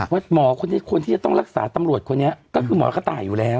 หมอคนนี้ควรที่จะต้องรักษาตำรวจคนนี้ก็คือหมอกระต่ายอยู่แล้ว